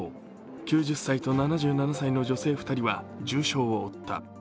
９０歳と７７歳の女性２人は重傷を負った。